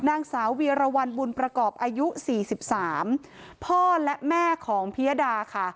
นางสาวเวียรวรรณบุญประกอบอายุสี่สิบสามพ่อและแม่ของพิยดาค่ะ